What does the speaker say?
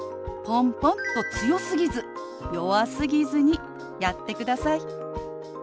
ポンポンと強すぎず弱すぎずにやってください。